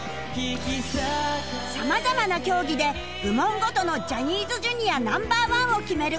様々な競技で部門ごとのジャニーズ Ｊｒ．Ｎｏ．１ を決める